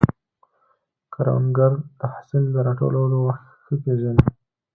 کروندګر د حاصل د راټولولو وخت ښه پېژني